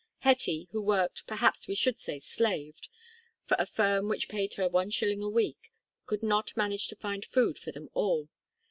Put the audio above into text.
Hetty, who worked, perhaps we should say slaved, for a firm which paid her one shilling a week, could not manage to find food for them all.